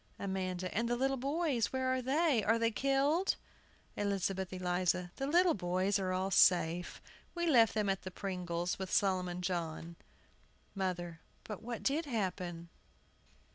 AMANDA. And the little boys where are they? Are they killed? ELIZABETH ELIZA. The little boys are all safe. We left them at the Pringles', with Solomon John. MOTHER. But what did happen?